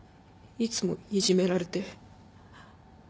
いつもいじめられて。